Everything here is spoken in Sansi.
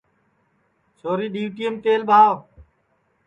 چھوری ڈِؔیوٹئیم تیل ٻاہو